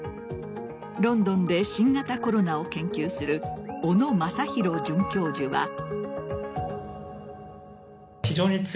ロンドンで新型コロナを研究する小野昌弘准教授は。